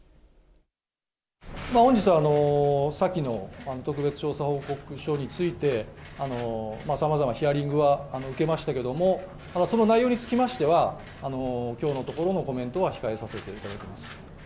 本日は先の特別調査報告書について、さまざまなヒアリングは受けましたけども、ただその内容につきましては、きょうのところのコメントは控えさせていただきます。